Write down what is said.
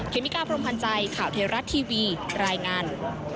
เมกาพรมพันธ์ใจข่าวเทราะทีวีรายงาน